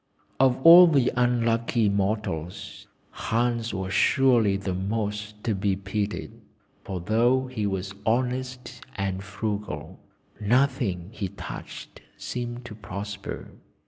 "Of all the unlucky mortals, Hans was surely the most to be pitied, for though he was honest and frugal, nothing he touched seemed to prosper.